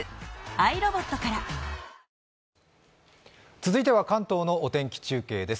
続いては関東のお天気中継です。